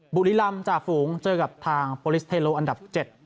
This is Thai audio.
บุรีรำจ่าฝูงเจอกับทางโปรลิสเทโลอันดับ๗